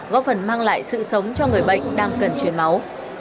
góp phần mang lại sự sống cho người bệnh đang cần chuyển máu